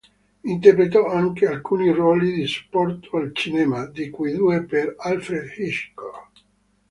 Interpretò anche alcuni ruoli di supporto al cinema, di cui due per Alfred Hitchcock.